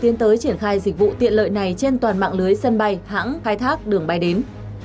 tiến tới triển khai dịch vụ tiện lợi này trên toàn mạng lưới sân bay hãng khai thác đường bay đến